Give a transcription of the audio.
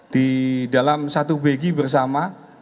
di dalam satu begi bersama